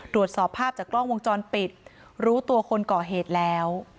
ตรวจสอบภาพจากกล้องวงจรปิดรู้ตัวคนก่อเหตุแล้ว